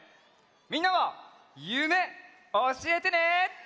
みんなはゆめおしえてね。